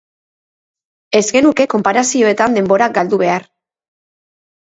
Ez genuke konparazioetan denbora galdu behar.